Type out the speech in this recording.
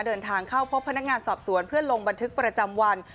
เดินทางเข้าพบพนักงานสอบสวนเพื่อลงบันทึกประจำวัน